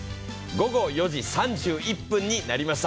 午後４時３１分になりました。